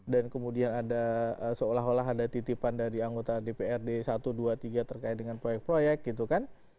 dan kemudian ada seolah olah ada titipan dari anggota dprd satu dua tiga terkait dengan proyek proyek gitu kan